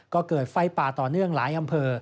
ก็เกิดไฟป่าต่อเนื่องหลายอำเภอ